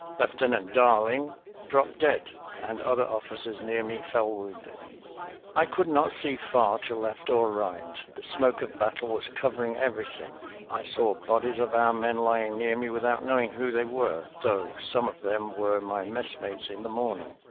Lieutenant Darling dropped dead, and other officers near me fell wounded. I could not see far to left or right, the smoke of battle was covering everything. I saw bodies of our men lying near me without knowing who they were, though some of them were my messmates in the morning.